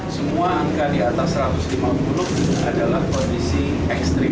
semua angka di atas satu ratus lima puluh adalah kondisi ekstrim